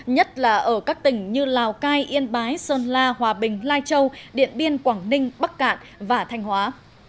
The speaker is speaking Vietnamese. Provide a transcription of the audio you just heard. nhất là ở các tỉnh như lào cai yên bái sơn la hòa bình lai châu điện biên quảng ninh bắc cạn và thanh hóa